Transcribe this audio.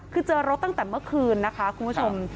คือเจอรถตั้งแต่เมื่อคืนนะคะคุณผู้ชม